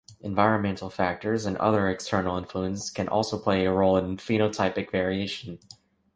Environmental factors and other external influences can also play a role in phenotypic variation.